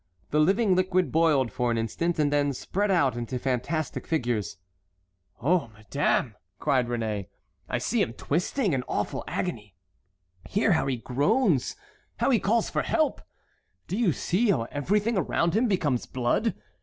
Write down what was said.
The living liquid boiled for an instant, and then spread out into fantastic figures. "Oh, madame," cried Réné, "I see him twisting in awful agony. Hear how he groans, how he calls for help! Do you see how everything around him becomes blood?